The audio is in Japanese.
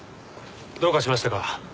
どうかしましたか？